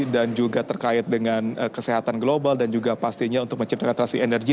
dan juga terkait dengan kesehatan global dan juga pastinya untuk menciptakan transaksi energy